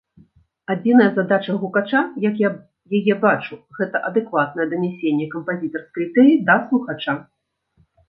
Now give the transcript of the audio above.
Адзіная задача гукача, як я яе бачу, гэта адэкватнае данясенне кампазітарскай ідэі да слухача.